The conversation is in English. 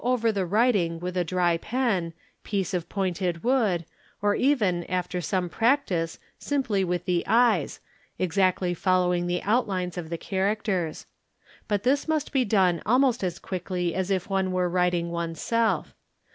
over . the writing with a dry pen, piece of pointed wood, or even after some practice simply with the eyes, exactly following the outlines of the characters; but this must be done almost as quickly as if one were writing oneself.